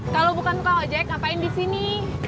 kalau bukan buka ojek ngapain di sini